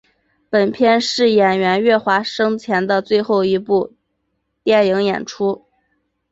本片是演员岳华生前的最后一部电影演出。